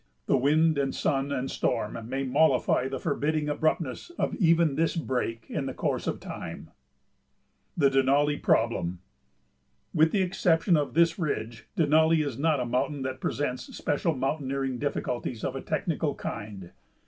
And wind and sun and storm may mollify the forbidding abruptness of even this break in the course of time. [Sidenote: The Denali Problem] With the exception of this ridge, Denali is not a mountain that presents special mountaineering difficulties of a technical kind.